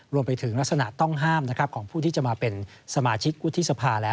รวมไปถึงลักษณะต้องห้ามของผู้ที่จะมาเป็นสมาชิกวุฒิสภาแล้ว